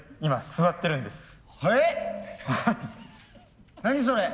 座ってるんですよ。